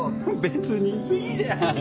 別にいいじゃん。